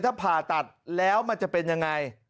ถ้าผ่าตัดแล้วมันจะเป็นยังไง